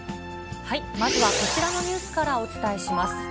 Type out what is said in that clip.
まずはこちらのニュースからお伝えします。